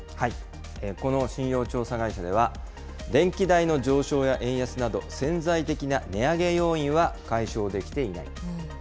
この信用調査会社では、電気代の上昇や円安など、潜在的な値上げ要因は解消できていない。